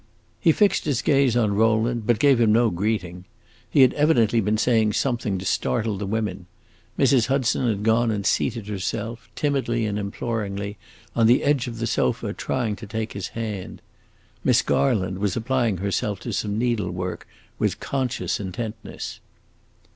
He fixed his gaze on Rowland, but gave him no greeting. He had evidently been saying something to startle the women; Mrs. Hudson had gone and seated herself, timidly and imploringly, on the edge of the sofa, trying to take his hand. Miss Garland was applying herself to some needlework with conscious intentness.